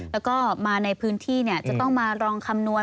แล้วก็มาในพื้นที่จะต้องมาลองคำนวณ